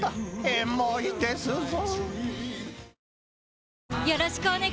エモいですぞ］